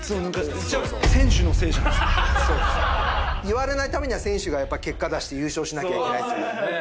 言われないためには選手が結果出して優勝しなきゃいけない。